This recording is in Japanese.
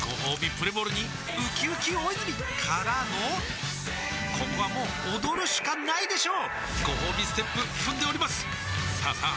プレモルにうきうき大泉からのここはもう踊るしかないでしょうごほうびステップ踏んでおりますさあさあ